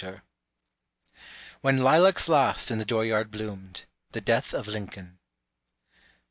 WHEN LILACS LAST IN THE DOOR YARD BLOOMED. [THE DEATH OF LINCOLN.